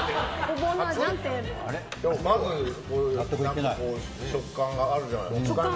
まず、食感があるじゃない。